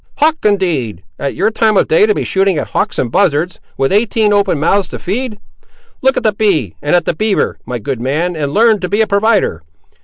"Hawk, indeed! at your time of day to be shooting at hawks and buzzards, with eighteen open mouths to feed. Look at the bee, and at the beaver, my good man, and learn to be a provider.